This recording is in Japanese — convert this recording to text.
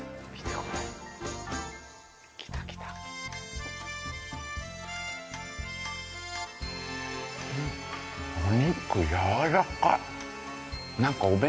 お肉やわらかい。